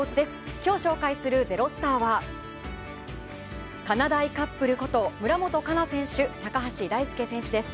今日紹介する「＃ｚｅｒｏｓｔａｒ」はかなだいカップルこと村元哉中選手、高橋大輔選手です。